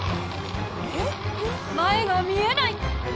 ・前が見えない！